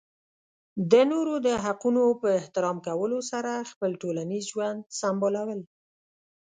د نورو د حقونو په احترام کولو سره خپل ټولنیز ژوند سمبالول.